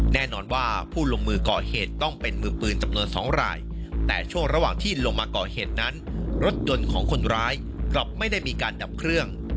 แน่นอนว่าผู้ลงมือก่อเหตุต้องเป็นมือปืนจำนวน๒รายแต่ช่วงระหว่างที่ลงมาก่อเหตุนั้นรถยนต์ของคนร้ายกลับไม่ได้มีการดับเครื่อง